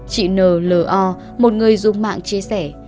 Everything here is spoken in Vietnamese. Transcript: chị nờ lờ o một người dùng mạng chia sẻ